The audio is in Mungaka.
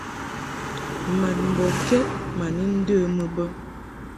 Mad mbɔŋkɛd ma ni ndəmɨ bə.